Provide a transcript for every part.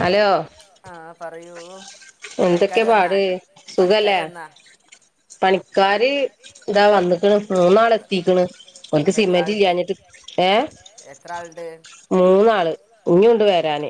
Hello ആഹ പറയൂ എന്തൊക്കെ പണിക്കാർ വന്നാ പാട് പണിക്കാർ സുഖല്ലേ വന്നാ പണിക്കാര് ഇതാ വന്നിക്കണ് മൂന്നാളെത്തിക്കണ് ഓൽക്ക് അപ്പം എത്ര സിമെന്റ് ആളുണ്ട് ഇല്ലാഞ്ഞിട്ട് ഏഹ് എത്ര ആളുണ്ട് മൂന്നാള് ഇഞ്ഞുണ്ട് പിന്നെ വരാന്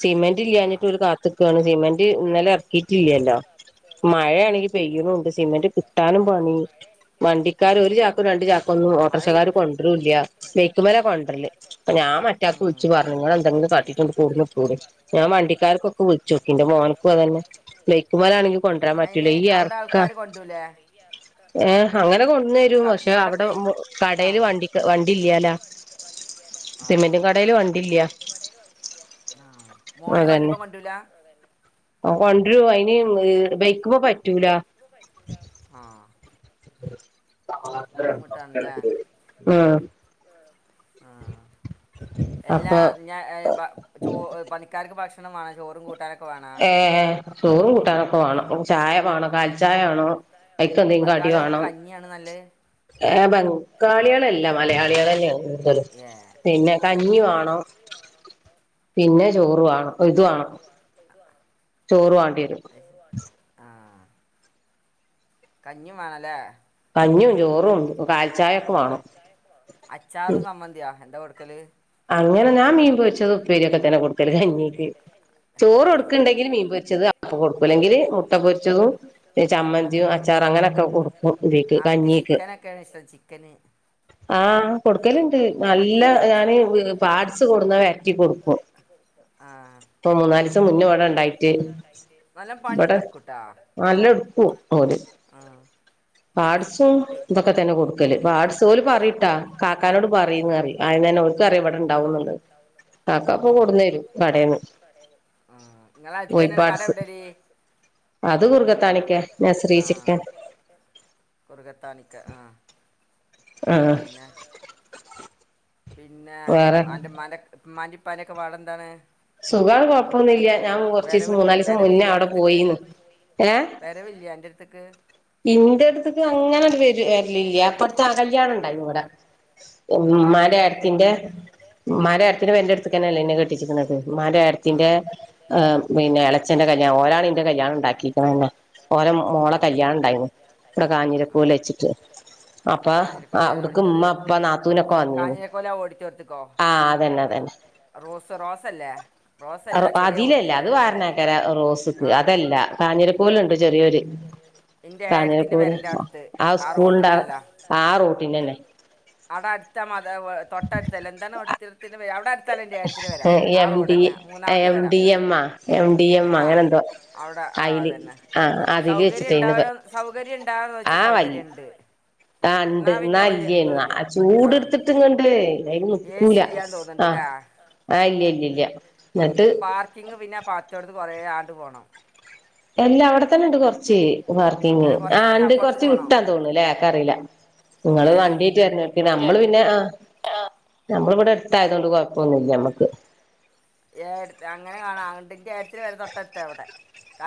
സിമെന്റ് ആ ഇല്ലാഞ്ഞിട്ട് ഓല് കാത്ത് ക്കാണ് സിമെന്റ് ഇന്നലെ ഇറക്കിയിട്ടില്ലല്ലോ കിട്ടാനും പണി ആഹ് വണ്ടിക്കാര് ഒരു ചാക്കും രണ്ടു ചാക്കൊന്നും മഴ ഓട്ടോറിക്ഷക്കാർ ഇട്ട് കൊണ്ടരുംല്ല ബൈക്കുമല കൊണ്ടരല് ഞാൻ മറ്റാക്ക്‌ ഉം. വിളിച്ച് പറഞ്ഞു നിങ്ങെ എന്തെിലും കാട്ടിറ്റ് ഇങ്ങട്ട് കോടന്നു ഇട്ടുടി ഞാൻ വണ്ടിക്കാർക്കൊക്കെ വിളച്ച് നോക്കി കൊണ്ടരാൻ പറ്റൂല അയിന് ഈ അവിടെ എറക്കാ ആൾക്കാര് കൊണ്ടോരൂലേ ഏഹ് അങ്ങനെ കൊണ്ട് തരും ക- പക്ഷെ ഇവിടെ അവിടെ പെയ് ആ കടേല് വണ്ടി വണ്ടി ഇല്ലാലാ സിമെന്റും കടേല് വണ്ടില്ല ആഹ് മോന് വണ്ടിമേ അതന്നെ കൊണ്ട്രൂല്ല കൊണ്ടരും അതിന് ബെയ്ക്കുമേ പറ്റൂല ആഹ് ആഹ് ആഹ് [inaudible] അല്ലാ അപ്പൊ ഞാ ചോ പണിക്കാർക്ക് ഭക്ഷണംമാണോ ചോറും കൂട്ടാനൊക്കെ വേണം ഏഹ് ചോറും കൂട്ടാനൊക്കെ ആ വാണം ചായവാണം കാൽചായ വാണം ഐക്കന്തം കടി വാണം നല്ലേ ഏഹ് ബംഗാളികളല്ല മലയാളിന്നേണ് ഏ പിന്നെ അത് കഞ്ഞി ശരി വാണം പിന്നെ ചോറു വാണം ഇതുവാണം [unintelligible] ചോറ് വാണ്ടിരും അത് ആഹ് കഞ്ഞിം മാണല്ലേ കഞ്ഞിം ചോറും കാൽച്ചായൊക്കെ വാണം അച്ചാറും സംമ്മന്തിയോ എന്താ കൊടുക്കല് അങ്ങനെ ഞാൻ മീൻപൊരിച്ചത് ഉപ്പേരിയൊക്കെ തന്നെ കൊടുക്കല് കഞ്ഞിക്ക്, ചോറ് അത് ശരി കൊടുക്ക്ണ്ടെങ്കിൽ മീൻപൊച്ചത് കൊടുക്കുല്ലെങ്കിൽ മുട്ട പൊരിച്ചതും ആഹ് ചമ്മന്തിയും അച്ചാറും അങ്ങനെയൊക്കെ കൊടുക്കും ഇതിക്ക് അവർക്ക് കഞ്ഞി ചിക്കനൊക്കെയാണ് ഇഷ്ടം ചിക്കന് ആഹ് കൊടുക്കല്ണ്ട് നല്ല ഞാന് പാട്സ് കൊടുന്നാ വര്ട്ടി കൊടുക്കും ആഹ് ഇപ്പൊ മൂന്നാല് ദിവസം മുന്ന ഇവിടെ ഇണ്ടായിട്ട് നല്ല ഇവിടെ പണിയൊക്കെ എടുക്കൂട്ടാ നല്ല എട്ക്കും ഓര് ആഹ് പാട്സും ചിക്ക് ഇതൊക്കെ തന്നെ കൊടുക്കല് പാട്സ് ഓല് പറിട്ടാ കാക്കാനോട് പറീന്നറിം ആയിതന്നെ ഓർക്കറിം ഇവിടെണ്ടാവുന്ന്ള്ള കാക്കപ്പം ഉം കൊട്ന്നരും കടേന്ന് ആഹ് നിങ്ങളെ അടുത്ത് തന്നെയാണ് കട കോയിപ്പാട്സ് എവിടെടി അത് കുറഗത്താണിക്കെ നസ്രി ചിക്കൻ കുറഗത്താണിക്കെ ആഹ് ആഹ് ആഹ് പിന്നെ പിന്നെ അൻറെ ഇമ്മാന്റെ ഇപ്പാന്റെക്കെ പാട്ന്താണ് സുഖാണ് കുഴപ്പൊന്നില്ല ഞാൻ കുറച്ചസം മൂന്നാലിസം മുന്നേ അവിടെ പോയിന്നു വരവില്ലെ അന്റെട്ത്ത്ക്ക് ഇന്റെട്ത്ത്ക്ക് അങ്ങനെ വരലില്ല പ്പട്ത്ത് കല്യാണ ഇണ്ടായിന്നി ഇവിടെ ഇന്റെ ആഹ് മ്മാന്റെ ഏട്ടത്തിന്റെ മ്മാന്റെഏട്ടത്തിന്റെ പെരന്റെ ആഹ് അടുക്കന്നെഅല്ലേ ഇന്നെ കെട്ടിച്ചിക്ക്ണത് ഏട്ത്തിന്റെ ആഹ് പിന്നെ ഇളച്ചന്റെ കല്യാണം ഒലാണ്ന്റെ കല്യാണം ഉണ്ടാക്കിയിക്ക്ണന്നെ ഓര മോളെ ആഹ് കല്യാണം ഇണ്ടായിരുന്നു ഇവിടെ കാഞ്ഞിരക്കൂല വെച്ചിട്ട് അപ്പം കാഞ്ഞിരക്കൊല ഏത് അവിടുക്ക് ഉമ്മ ഓഡിറ്റോറിയം പ്പ നാത്തൂനൊക്കെ വന്നീന്ന് കാഞ്ഞിരക്കൊല ഓഡിറ്റോറിയത്ത്ക്കോ ആഹ് ആ തന്നെ, തന്നെ റോസ് റോസ് അല്ലേ അതിലല്ല, അത് വേറെന്നെ വെക്കലാ റോസ്ക്ക്, ആഹ് അതല്ല കാഞ്ഞിരപ്പൂലുണ്ട് ചെറിയൊരു ഇന്റെ ഏടത്തിന്റെ കാഞ്ഞിരപ്പൂല് പെരന്റെ അടുത്ത് ആ സ്കൂളിന്റെ റോട്ടിലല്ല ആ റൂട്ടിൽ തന്നെ അവിടെ അടുത്ത് അല്ലേ തൊട്ടടുത്തല്ലേ എന്ത് അവിടെ വരാം ആ എം റോഡ് ഡി തന്നെ മൂന്നാമത്തെ എം പെരാ ഡി എം ആ എം ഡി എം അങ്ങനെ ആഹ് എന്തോ അവിടെ ആ അയില് അതന്നെ ആ അതില് സൗകര്യം ഉണ്ടവാ വെച്ചിട്ടേന്ന് സൗകര്യം ഉണ്ടാവോന്ന് ചോദിച്ചാ സൗകര്യം ഇണ്ട്. ആഹ് ഇണ്ട്എന്ന ഇല്ലേന്ന് ആ ചൂട് ആഹ് എടുത്തിട്ട് ഇങ്ങണ്ട് നിക്കൂല. തോന്ന്ണ്ട്ല്ലേ [unintelligible] ആഹ് ഇല്ല ഇല്ല ഇല്ല എന്നിട്ട്. ഇങ്ങ് പിന്നെ പാത്രം എടുത്തോണ്ട് കൊറെ അങ്ങോട്ട് പോകണം. എല്ലാ അവിടെത്തന്നെ ഉണ്ട് കൊറച്ച് വർക്കിങ്. അല്ല ആ കുറച്ച് നേരം ഇണ്ട് അപ്പുറത്തേക്ക് കൊറച്ച് പോകണം വിട്ടാ തോന്നുന്നു അല്ലേ എനിക്കറില്ല നിങ്ങള് ഏ വണ്ടീ ആയിട്ട് വരുന്നേ നമ്മള് പിന്നെ ആഹ് നമ്മളിവിടെ അടുത്തായതു കൊണ്ട് കുഴപ്പൊന്നുല്ല നമ്മുക്ക് ഏ അങ്ങനെ കാണാ. എൻ്റെ ചേച്ചിടെ വീട് തൊട്ടടുത്ത ഇവിടെ.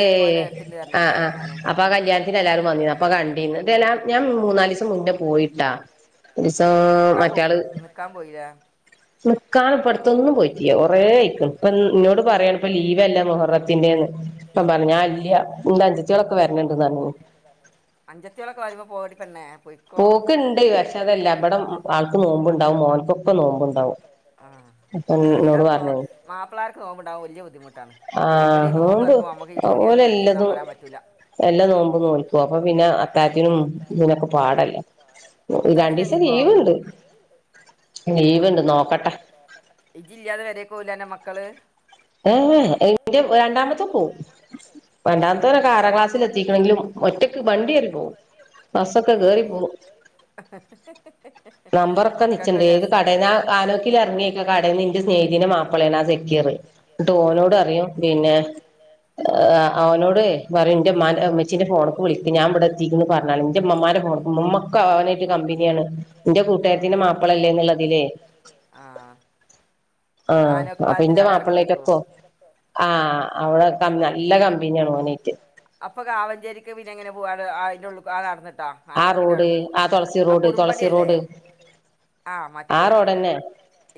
ഏഹ് ആഹ് ആഹ് അപ്പൊ ആ കല്യാണത്തിന് എല്ലാവരും വന്നിന്. അപ്പൊ കണ്ടീന്. ഇതെല്ലാം ഞാൻ മൂന്നാല് ദിവസം മുൻപേ പോയിട്ടാ. ഒരു ദിവസം മറ്റാള് നിക്കാ പോയിലെ നിക്കാന് ഇപ്പടുത്തൊന്നും പോയിറ്റില്ല. കൊറെ ആയിക്ക്ണ് ഇപ്പം എന്നോട് പറയാണ് ഇപ്പം ലീവല്ലേ മുഹറത്തിന്റെന്ന് ഇപ്പം പറഞ്ഞാ ആ ഇല്ല്യ എൻ്റെ അനുജത്തികളൊക്കെ വരണണ്ടുന്ന് പറഞ്ഞു. അനുജത്തികളൊക്കെ വരുമ്പോ പോകടി പെണ്ണെ. പോയി പോക്ക് ഇണ്ട്. പക്ഷെ അതെല്ല ഇവിടം ആൾക്ക് നോമ്പുണ്ടാവും ഓലിക്കൊക്കെ നോമ്പുണ്ടാവും. അപ്പം എന്നോടു പറഞ്ഞു. മാപ്പളാർക്ക് നോമ്പുണ്ടാവുമ്പോ വല്യാ ബുദ്ധിമുട്ടാണ്. ഓല ഈ ആഹ് നോമ്പ് ഓര് ഇറക്കുമ്പോൾ നമുക്ക് ഈ പീടിയാന്ന് ഓല് മേടിച്ച് തിന്നാൻ എല്ലതും പറയാൻ പറ്റൂല എല്ലാം നോമ്പ് നോൽക്കും. അപ്പൊ പിന്നെ അത്താഴത്തിനും ഇതിനൊക്കെ പാടല്ലേ. അത്ത രണ്ടീസം അതിനെണീക്കോ ലീവുണ്ട്, ലീവ്ണ്ട്. നോക്കട്ടെ ഇജ്ജ് ഇല്ലാതെ പെരേക്ക് പോകില്ലേ അൻ്റെ മക്കള്. ഏഹ്എന്റെ രണ്ടാമത്തെ പോകൂ ആ രണ്ടാമത്തെവനൊക്കെ ആറാം മൂത്ത ക്ലാസ്സിൽ എത്തിക്കണെങ്കിലും, ഒറ്റക്ക് വണ്ടിയിൽ പോകവും ബസ്സൊക്കെ കേറി പോകും. അ ഹി ഹി ഹ നമ്പറൊക്കെ നിശ്ച്ച്ചുണ്ട്. ഏത് കടേല ആനോക്കില ഇറങ്ങിയക്കെ [unintelligible] കടയന്ന് നിന്റെ സ്നേഹതീെ മാപ്പിളയാണ് ആ സെക്കയറ് ആ ന്നിട്ടോനോട് പറയും പിന്നെ ആഹ് ഓനോട് പറയും ഇൻ്റെ ഇമ്മാൻ്റെ ഉമ്മച്ചീൻ്റെ ഫോണിലേക്ക് വിളിക്ക് ഞാൻ ഇവിടെ എത്തിക്കണ് പറഞ്ഞാളി ഇൻ്റെ ഇമ്മമ്മാൻ്റെ ഫോണ്ക്കും ഇമ്മമ്മ ക്കെ ഓനായിട്ട് കമ്പനിയാണ് ഇന്റെ എൻ്റെ കൂട്ടുകാരത്തിന്റെ മാപ്പളല്ലേ കൂട്ടുകാരത്തിന്റെ മാപ്പളല്ലേ എന്നുള്ളതിലേ എന്നുള്ളതിൽ ആഹ് ആഹ് അപ്പൊ ഇന്റെ ഇറങ്ങുമായിരിക്കും മാപ്പൾനെറ്റൊക്കൊ ആഹ് അവിടെക്ക നല്ല കമ്പനിയാണ് അപ്പൊ കാവഞ്ചേരിക്ക് പിന്നെ എങ്ങനെ പോവാറ് അതിനുള്ളിക്കൂടെ കടന്നിട്ടാ ആ ആനമുക്കിന്റെ റോഡ് അവിടന്ന് ആ തുളസി ആഹ് റോഡ് തുളസി കുറുമ്പടിയല്ലേ റോഡ് ആഹ് ആ മറ്റോടുത്ത് റോഡന്നെ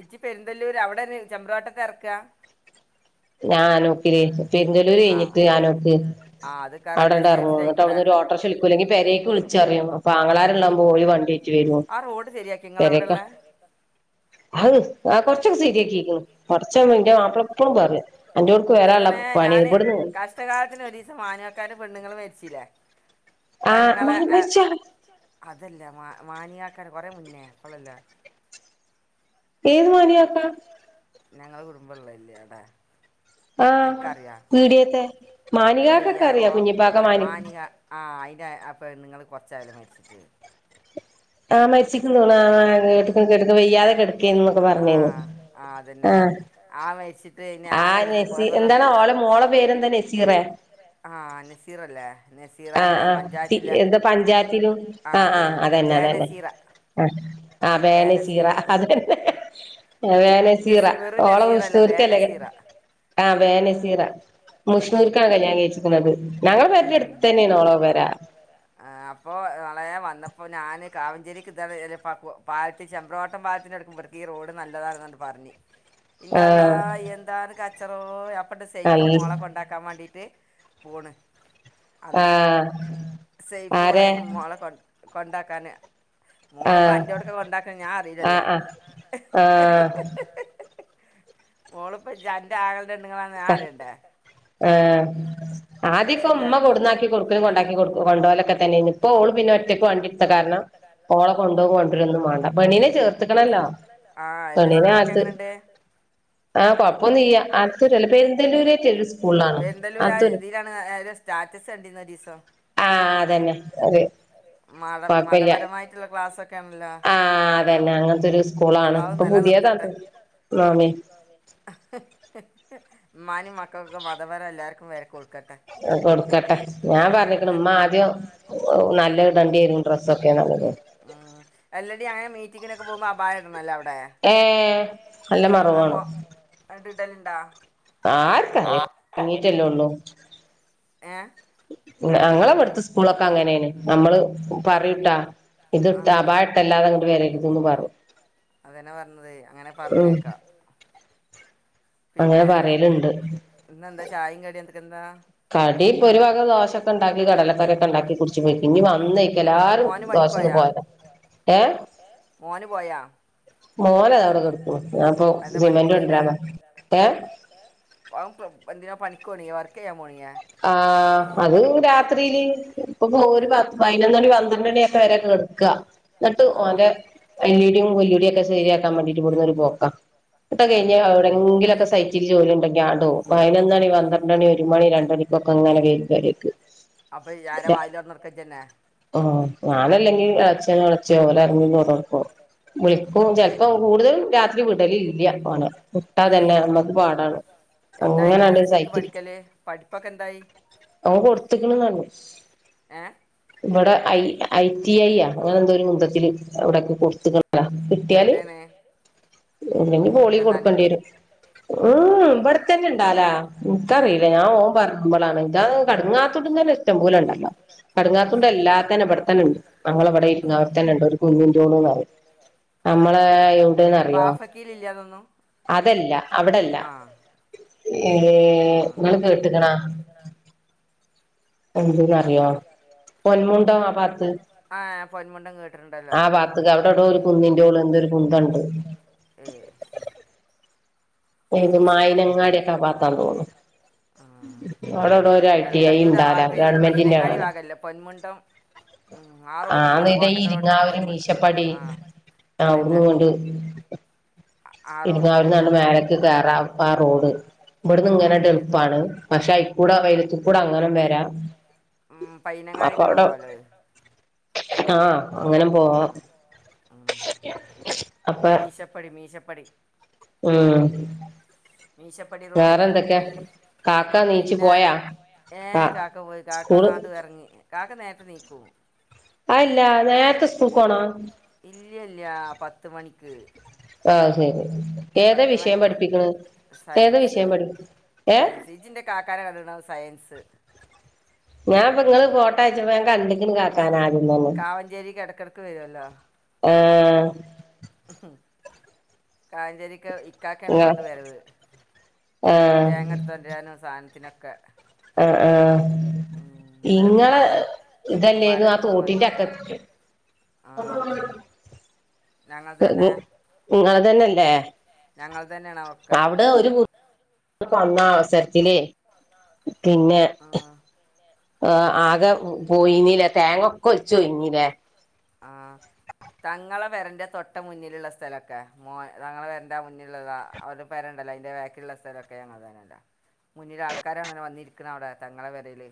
ഇച്ചി പെരുന്തല്ലൂര് അവിടെ ചെമ്പ്രുവട്ടത്ത് ഇറക്കാ ഞാൻ ആനമുക്കില് പെരുന്തല്ലൂര് ആ കഴിഞ്ഞിട്ട് ആനമുക്ക് ആ അത് കറ അവിടെണ്ട്റങ്ങും ടെക്സ്റ്റൈൽസിൻ്റെ എന്നിട്ട് ആയിക്കൂടെ ഒരു ഓട്ടോറിക്ഷ വിളിക്കും അല്ലങ്കിൽ പെരേക്ക് വിളിച്ചു പറയും അപ്പൊ ആങ്ങളാര് ഉള്ളമ്പോ ഓര് വണ്ടി ചേരോ സെരിയാക്കിയോ നിങ്ങളുടെ അവിടെ ഉള്ളേ അഹ് ആഹ് കൊറച്ചൊക്കെ സെരിയാക്കീക്കുണു കുറച്ച് ഉള്ളൂ ഇൻ്റെ മാപ്പിള എപ്പളും പറയും അൻ്റോട്ക്ക് വരാള്ള പണി ഇബെട്ന്നു കസ്ടകാലത്തിന് ഒരീസം മാനുആക്കാൻ്റെ പെണ്ണുങ്ങള് മരിച്ചിലെ ആഹ് പെങ്ങളെ മാന് അഹ് മരിച്ചാ അതല്ല മാ മാനിയാക്കാൻ്റെ കൊറെ മുന്നേയാ ഇപ്പള്ളല്ല ഏത് മാനിയാക്ക ഞങ്ങളെ കുടുംബംള്ളേ ഇല്ലേ ആടെ ആഹ് അൻക്കറിയോ പീടിയേത്തെ ആഹ് മാനികാക്കൊക്കെ വയ്യാ അറിയാ ഓ കുഞ്ഞിപ്പാക്ക മാനി മാനികാ ആഹ് അയിൻ്റെ ആഹ് പെണ്ണുങ്ങൾ കുറച്ചായല്ലൊ മരിച്ചിട്ട് ആഹ് മരിച്ചിക്ക്ണ് തോന്ന്ണ് ആഹ് കേട്ട്ക്ക്ണ് കേട്ട്ക്ക്ണ് വെയ്യാതെ കെടക്കേന്നു ന്നൊക്കെ പറഞ്ഞേന്നു ആഹ് ആഹ് അതന്നെ ആഹ് ആഹ് മരിച്ചിട്ട് ഞാൻ ഒരു ആഹ് ദിവസം നസീ പോയപ്പോൾ എന്താണ് ഓളെ മോളെ പേരെന്താ നസീറെ ആഹ് നസീറ ല്ലേ ആഹ് നെസീറാന്റെ ആഹ് സി പഞ്ചായത്തിലെ എന്താ പഞ്ചായത്തിലും ആഹ് ജോലി അതന്നെ അതന്നെ വേനസീറ ആഹ് വേ നസീറ അതന്നെ വേ നസീറ ഓളെ മുഷ്ണൂർക്കല്ലേ ദ ആഹ് വേനസീറ മുഷ്ണൂർക്കാണ് കല്യാണം കഴിച്ചിക്ക്ണത് ഞങ്ങളെ പേരെന്റെട് ത്തെന്നെയാണോളെ പെര ആഹ് അപ്പോ മളെ വന്നപ്പോൾ ഞാൻ കാവഞ്ചേരിക്ക് ഇത പാലത്തി ചെമ്പ്രോവട്ടം പാലത്തിന്റെ അടുക്കുമ്പോടു ഈ റോഡ് നല്ലതാണെന്നണ്ട് പറഞ് [inaudible] ഇന്റെ അള്ളാ എന്താണ് കച്ചറോ അപ്പണ്ട് അൽ സെയ്ഫു മോളെ കൊണ്ടാക്കാൻ വാണ്ടീട്ട് പോണ് അന്ന് ആഹ് സേയ്ഫു ആരെ മോളെ കൊ കൊണ്ടാക്കാന് മോള്പ്പം ആഹ് അന്റോട്ക്കെ കൊണ്ടാക്കണ് ഞാൻ അറിയില്ലല്ലോ ആഹ് ആഹ് [inaudible] ഓളിപ്പോ ജ് അന്റെ ആങ്ങളന്റെ പെണ്ണുങ്ങളാന്ന് ഞാൻ ആഹ് അറിയണ്ടേ ആഹ് ആദ്യക്കെ ശരി ഉമ്മ കൊടന്നാക്കി കൊടുക്കലും കൊണ്ടാക്കി കൊ കൊണ്ടോവലൊക്കെ തന്നെ എനു ഇപ്പോ ഓള് പിന്നെ ഒറ്റയ്ക്ക് വണ്ടി എടുത്ത കാരണം ഓള കൊണ്ടോവും കൊണ്ടരൊന്നും വാണ്ട പെണ്ണിനെ ചേർത്ത്ക്ക്ണല്ലോ ആ എന്നെ പെണ്ണിനെ സ്കൂളൊക്കെ ആത്ത് എങ്ങനെയുണ്ട് ആഹ് കൊഴപ്പൊന്നുല്ല ആത്തൂരല്ല പെരുന്തല്ലൂരെറ്റ ഒരു സ്കൂളാണ് അതൊരു ഉം ആരോ സ്റ്റാറ്റസ് കണ്ടീരുന്നു ഒരീസം ആഹ് അതന്നെ അറിയോ മത മതപരമായിട്ടുള്ള ക്ലാസ്ക്കെ ആഹ അതന്നെ അങ്ങനത്തെ ഒരു സ്കൂളാണ് അള്ളാഹു ഇപ്പൊ നിലനിർത്തട്ടെ പുതിയതാണ് നോമി ഇമ്മാനിം മക്കൾകൊക്കെ മതപരം എല്ലാവർക്കും വറെ കൊടുക്കട്ടെ കൊടുക്കട്ടെ ഞാൻ ഉം, പറഞ്ഞിക്കണ് ഉമ്മ എൻ- ആദ്യം നല്ലത് ഇടണ്ടിയരും ഡ്രസ്സൊക്കെ നല്ലത് ഉം അല്ലടി അങ്ങനെ മീറ്റിംഗിനൊക്കെ പോകുമ്പോ അപായ ഇടണല്ലവിടെ ഏഹ് നല്ല മറവാണ് കണ്ട് ഇടലുണ്ടാ ആർക്കറിയ തൊടങ്ങീട്ടല്ലേ ഉള്ളൂ ഏഹ് ഞങ്ങളെവിടുത്ത സ്കൂളൊക്കെ അങ്ങനെയാണ് നമ്മള് പറയൂട്ടാ ആ ഇത്ട്ട് അപായട്ടല്ലാതെ അങ്ങട്ട് വരരുതന്ന് പറയും അതന്നെ പറഞ്ഞത് അങ്ങനെ ഉം പറഞ്ഞേക്കാ അങ്ങനെ പിന്നെ പറയലുണ്ട് ഇന്ന് എന്താ ചായയും കടിയും എന്തൊക്കെന്താ കാടി ഇപ്പൊ ഒരു വക ദോശൊക്കെ ഉണ്ടാക്കി കടലക്കറിയൊക്കെ ഉണ്ടാക്കി കുടിച്ച്പോയി ഇനി വന്നേക്ക എല്ലാരും മോന് ദോ ശന്ന് പണിക്കോയാ പോയത മോന് പോയാ മോനത അവിടെ കെടക്കണ് ഞാനിപ്പോ സിമെന്റ് കൊണ്ടരാൻ പറഞ്ഞു ഏഹ ഓൻപ്പൊ എന്തിനാ പണിക്കോണില്ലേ വർക്ക് ചെയ്യാൻ പോണില്ലെ ആഹ് അത് രാത്രിയില് ഇപ്പൊപോവും ഒരു പതിനൊന്ന് മണി പന്ത്രണ്ട് മണിയൊക്കെ വരെ കേടു ക്ക എന്നിട്ട് ആ ഓന്റെ എല്ലിടിയും കൊല്ലടിയും ഒക്കെ ശരിയാക്കാൻ വേണ്ടിട്ട് ഇവിടുന്നൊരു പോക്കാ നട്ടത് കഴിഞ്ഞ ആഹ് എവിടെങ്കിലൊക്കെ സൈറ്റിൽ ജോലി ഉണ്ടെങ്കിൽ ആണ്ടോവും പതിനൊന്ന്മണി പന്ത്രണ്ട് മണി ഒരു മണി രണ്ട് മണി കൊങ്ങനെ വരും പെരേക്ക് അപ്പൊയ്യാരാ വായിലോറന്നുടുക്കാ ഇജ്ജന്നെ ആഹ് ഞാനല്ലെങ്കി അച്ചനെ വിളച്ച ഓലാരെങ്കിലും തോറന്നൊടുക്കും വിളി ക്കും ഉം ചിലപ്പോം കൂടുതലും രാത്രി വിടലില്ല ഓനെ വിട്ടാതന്നെ ആഹ് നമ്മുക്ക് പാടാണ് എന്തായി അങ്ങനാണ്ട് കോഴ്സ് എടുത്ത് സൈറ്റ് പഠിക്കല് പഠിപ്പൊക്കെ എന്തായി അവൻ കൊടുത്തക്കണ്ന്ന് പറഞ്ഞു ഏഹ് ഇവിടെ ഐ ഐ ടി ഐ ആ അങ്ങനെ എന്തോ ഒരു കുന്തത്തില് ഇവിടെക്കെ കൊടുത്ത്ക്ക്ണു അ കിട്ടിയാല് എവിടെയാണ് അല്ലെങ്കി പോളിയൊ പുത്തൻതാണി കൊടുക്കേണ്ടിരും ആഹ് ഉം തിരൂര് ഇവിടത്തന്നെ ഇണ്ടാലാ ഇനിക്കറിയില്ല ഞാൻ ആഹ് ഓൻ പറഞ്ഞു ബളാണ് ഇതാ കടങ്ങാത്തോട്ന്നന്നേ ഇഷ്ടം പോലെ ഉണ്ടല്ലോ അത് കടുങ്ങാത്തുണ്ട് ശരി എല്ലാത്തനെ എവിടെത്തന്നെ ഉണ്ട് നമ്മളെ അവിടെ ഇ ഇരിങ്ങാലെ തന്നെ ഉണ്ട് ഒരു കുഞ്ഞിൻതോട് പറയും നമ്മളെ എവിടെന്ന്റിയോ ബാഫക്കീൽ ഇല്ലേ അതൊന്നും അതല്ല അവിടെല്ല ആഹ് ഏ ആഹ് ങ്ങള് കേട്ട്ക്കണാ എന്തന്ന്റിയോ പൊന്മുണ്ട ആ പാത്ത് ആഹ് പൊന്മുണ്ടം കേട്ടിട്ടുണ്ടോ ആ പാത്തക്ക് അവിടെ ഇവിടെ ഒരു കുന്നിന്റെ മോള് എന്തൊരു കുന്തണ്ട് ആഹ് ശരി പെരുമായിനങ്ങാടി ഒക്കെ ആ പാത്താ തോന്നുന്നു ആഹ് ഓലോഡ് ഐ ടി ഐ ഉണ്ടാവുല ഗവൺമെന്റിന്റെ ആണല്ലോ അല്ല പൊന്മുണ്ടം ആഹ് ആഹ് ആന്ന് ഇത ഇരിങ്ങാവൂര് മീശപ്പാടി ആഹ് ആ അതന്നെ ഒന്നുകൊണ്ട് ആ ഇരങ്ങാവൽന്ന് റോട്ടിലന്നെ അങ്ങട്ട് മേലക്ക് കേറാ ഇപ്പൊ ആ റോഡ് ഇവിടുന്ന് ഇങ്ങനെങ്ങട്ട് ആഹ് എളുപ്പാണ് പക്ഷെ അയികൂടെ വെലത്തിക്കൂടെ അങ്ങനേം വരാ ഉം പൈനങ്ങാടിക്കൂടെ പോവാല്ലേ ആഹ് അങ്ങനേം പോവാ ആ, ഉം അപ്പൊ മീശപ്പടി മീശപ്പടി ഉം മീശപ്പടി റോഡ് വേറെ എന്തൊക്കെ കാക്ക നീച്ചു പിന്നെ പോയാ ഏ ആ കാക്ക പോയി കാക്ക സ്കൂള് നാട് കറങ്ങി കാക്ക നേര്ത്തെ നീക്കു അല്ല നേര്ത്തെ സ്കൂൾക്കോണം ഇല്ലില്ല പത്ത് മണിക്ക് ആഹ് ശരി ഏതാ പത്ത് വിഷയം മണിക്ക് പഠിപ്പിക്കണ് ഏതാ സയൻസ് വിഷയം പഠിപ്പ സയൻസ് ജ്ജിന്റെ കാക്കാനെ കണ്ട്ക്ക്ണോ സയൻസ് ഞാനിപ്പ ഇങ്ങള് ഫോട്ടയച്ചപ്പോ കണ്ടിക്കിണ് കാക്കാനെ ആദ്യം തന്നെ കാവഞ്ചേരിക്കിടക്കിടക്ക് വരുവല്ലോ ആഹ് കായഞ്ചേരിക്കെ ഇക്കക്കെയാണ് ഇങ്ങളെ ഇപ്പോങ്ങാട്ട് വരവ് ആഹ് തേങ്ങെടുത്തൊണ്ടരാനും സാൻത്തിനൊക്കെ ആഹ് ആഹ് ഇങ്ങളെ കുമാര ഇതല്ലേരുന്നു ആ തോട്ടിന്റെ അറ്റത്തെക്ക് ആഹ് നിങ്ങളെത്തന്നെയല്ലേ ഞങ്ങൾ തന്നെയാണ് ഒക്കെ അത് ഒരു വന്ന അവസരത്തി ഇതിലേ പിന്നെ ആഹ് ആ ആകെ പോയിനീല്ലേ തേങ്ങൊക്കെ ഒലിചോയിഞ്ഞീല്ലേ ആഹ് തങ്ങളെ പേരെന്റെ തൊട്ട മുന്നിലുള്ള സ്ഥലക്കെ മോ തങ്ങള പേരെന്റെ ആ മുന്നിലുള്ളതാ അവരെ പേരെണ്ടല്ലോ അയിന്റെ ബാക്കിലുള്ള സ്ഥലൊക്കെ ഞങ്ങൾ തന്നല്ലോ മുന്നില ആൾക്കാരാണ വന്നിരിക്കുന്നത് അവിടെ തങ്ങളെ പെരയില്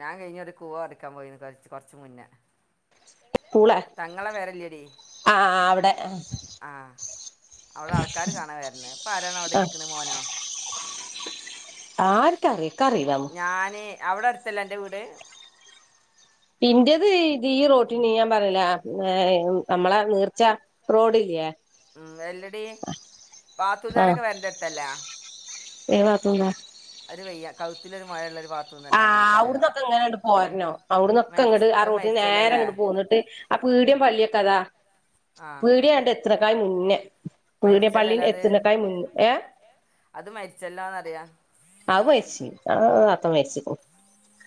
ഞാൻ കഴിഞ്ഞ ഒരു കൂവ പറിക്കാൻ പോയിന്ന് കൊർ കൊറച്ച മുന്നേ പൂള തങ്ങളെ പെരല്ലടീ ആഹ് ആഹ് ആഹ് അവിടെ ആൾക്കാര് കാണാൻ വരുന്ന് ഇപ്പൊ ആരാണവിടെ ആഹ് ഇരിക്കണ മോനോ ആർക്കറിയ ഇക്കറീല ഞാന് അവിടെ അടുത്തല്ലേ അൻ്റെ വീട് ഇന്റേത് ഇത് ഈ റോട്ടീന് ഞാൻ പറയല ഏഹ് നമ്മളെ നീർച്ച റോഡില്ലേ ഉം എല്ലടി പാത്തുന്നാലൊക്കെ പെരൻ്റെ അടുത്തല്ലേ ഏ പാത്തൂത്ത അവര് വയ്യ കൗത്തിലൊരു മൊയള്ളൊരു ആഹ് അവിടന്നൊക്കെങ്ങനണ്ട് പോരണം അവിടന്നൊക്കെ മരിച്ച ങ്ങട് ആ അത് റോട്ടിൽ നേരെ മരിച്ചല്ലല്ലേ ഇങ്ങട് പോന്നിട്ട് ആ പീടിയം പള്ളിയൊക്കെഥാ ആ പീടിയണ്ട എത്തനക്കായ മുന്നേ പീട പള്ളി മരിച്ചല്ലല്ലേ അത് എത്തനക്കായ മു ഏ അത് മരിച്ചല്ലോന്ന്റിയ അത് മരിച്ചി ആ താത്ത മരിച്ചിക്കു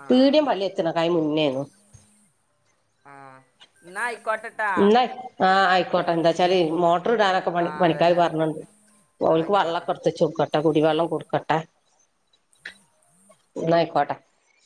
ആ പീടിയം പള്ളി എത്തണ കായ മുന്നേന്നു ആഹ് എന്നാ ആയിക്കോട്ടെ ട്ട ആഹ് ആയിക്കോട്ടെ എന്താ വെച്ചാൽ മോ ട്ട്റ് ഇടാനൊക്കെ ആ പണി പണിക്കാര് അതന്നെ പറഞ്ഞ്ണ്ട് ആ അപ്പോൽക്ക് വള്ളം ആയിക്കോട്ടെ ക്കെട്ത്ച്ചൊട്ക്കട്ടെ കുടിവള്ളം കൊട്ക്കട്ടെ ഇന്നാ അയ്ക്കോട്ടെ